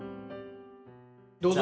どうぞ。